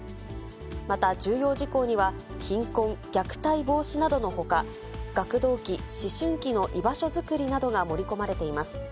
また、重要事項には、貧困、虐待防止などのほか、学童期、思春期の居場所作りなどが盛り込まれています。